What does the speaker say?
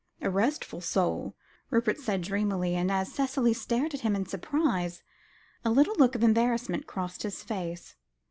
"A restful soul," Rupert said dreamily; and, as Cicely stared at him in surprise, a little look of embarrassment crossed his face.